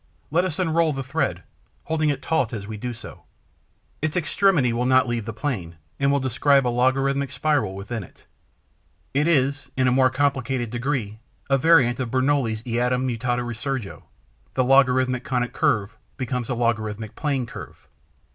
Let us unroll the thread, holding it taut as we do so. Its extremity will not leave the plane and will describe a logarithmic spiral within it. It is, in a more complicated degree, a variant of Bernouilli's 'Eadem mutata resurgo:' the logarithmic conic curve becomes a logarithmic plane curve.